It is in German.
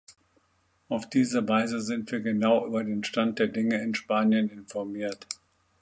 Auf diese Weise sind wir genau über den Stand der Dinge in Spanien informiert.